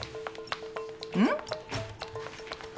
うん？